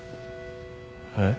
えっ？